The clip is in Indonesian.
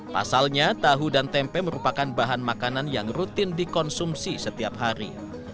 pasalnya tahu dan tempe merupakan bahan makanan yang rutin dikonsumsi setiap hari